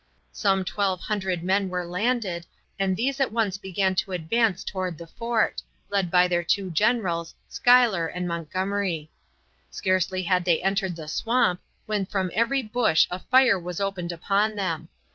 Some twelve hundred men were landed, and these at once began to advance toward the fort, lead by their two generals, Schuyler and Montgomery. Scarcely had they entered the swamp, when from every bush a fire was opened upon them.